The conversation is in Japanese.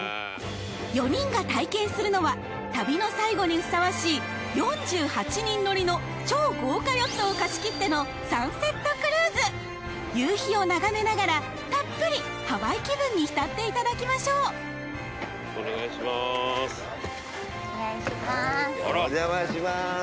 ４人が体験するのは旅の最後にふさわしい４８人乗りの超豪華ヨットを貸し切ってのサンセットクルーズ夕日を眺めながらたっぷりハワイ気分に浸っていただきましょうお願いします。